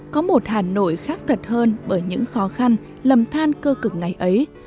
có một hà nội khác thật hơn bởi những khó khăn lầm than cơ cực ngày ấy